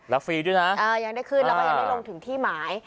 แล้วฟรีด้วยนะยังได้ขึ้นแล้วก็ยังได้ลงถึงที่หมาย